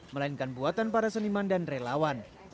melainkan buatan para seniman dan relawan